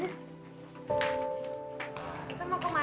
ke mana sih